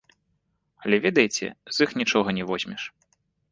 Але, ведаеце, з іх нічога не возьмеш.